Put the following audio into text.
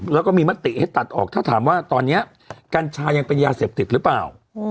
แล้วก็มีมติให้ตัดออกถ้าถามว่าตอนนี้กัญชายังเป็นยาเสพติดหรือเปล่า